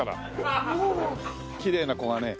きれいな子がね。